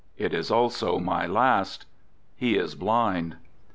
It is also my last." He is blind.